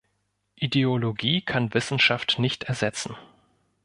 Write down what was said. Ideologie kann Wissenschaft nicht ersetzen.